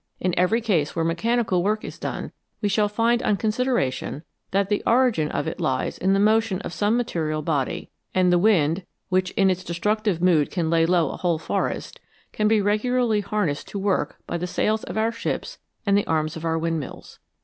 In every case where mechanical work is done, we shall find on con sideration that the origin of it lies in the motion of some material body ; and the wind, which in its destructive mood can lay low a whole forest, can be regularly har nessed to work by the sails of our ships and the arms of our windmills.